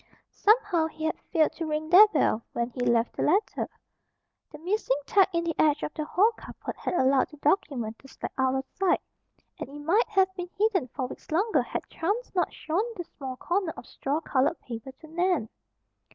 Somehow he had failed to ring their bell when he left the letter. The missing tack in the edge of the hall carpet had allowed the document to slide out of sight, and it might have been hidden for weeks longer had chance not shown the small corner of straw colored paper to Nan.